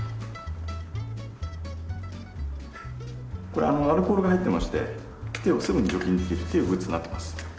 これあのアルコールが入ってまして手をすぐに除菌できるというグッズになってます。